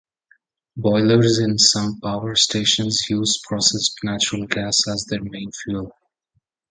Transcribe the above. Boilers in some power stations use processed natural gas as their main fuel.